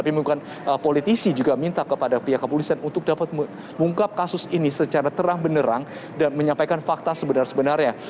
tapi bukan politisi juga minta kepada pihak kepolisian untuk dapat mengungkap kasus ini secara terang benerang dan menyampaikan fakta sebenar sebenarnya